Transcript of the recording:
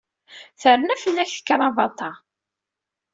Terna fell-ak tekrabaḍt-a.